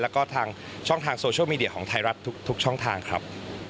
แล้วก็ทางช่องทางโซเชียลมีเดียของไทยรัฐทุกช่องทางครับ